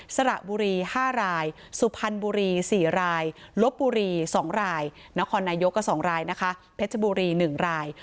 สระบุรี๕รายสุพรรณบุรี๔รายลบบุรี๒รายนครนายกก็๒รายนะคะเพชรบุรี๑ราย